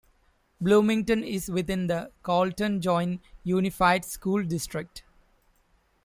Bloomington is within the Colton Joint Unified School District.